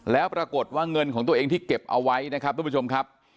แล้วปรากฏว่าเงินของตัวเองที่เก็บเอาไว้นะครับทุกผู้ชมครับ